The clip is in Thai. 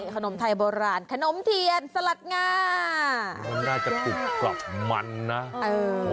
ขนมไทยโบราณขนมเทียนสลัดงามน่าจะกรุบกลับมันนะเออ